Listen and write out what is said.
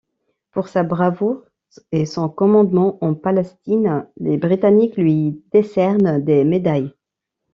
Pour sa bravoure et son commandement en Palestine, les Britanniques lui décernent des médailles.